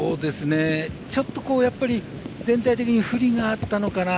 ちょっと全体的に不利があったのかな。